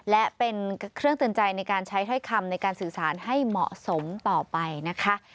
และเป็นเครื่องเตือนใจในการใช้ถ้อยคำในการสื่อสารให้เหมาะสมต่อไปนะคะ